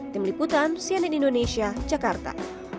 tim liputan cnn indonesia jakarta